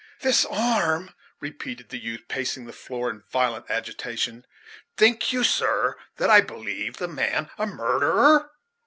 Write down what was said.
"This arm!" repeated the youth, pacing the floor in violent agitation. "Think you, sir, that I believe the man a murderer?